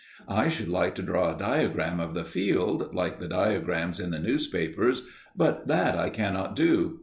I should like to draw a diagram of the field, like the diagrams in the newspapers, but that I cannot do.